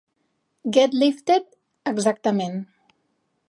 "Get Lifted", exactament.